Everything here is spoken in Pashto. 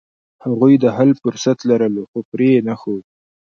هغوی د حل فرصت لرلو، خو پرې یې نښود.